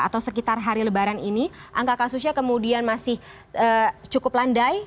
atau sekitar hari lebaran ini angka kasusnya kemudian masih cukup landai